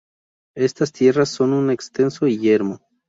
Estas tierras son un extenso yermo.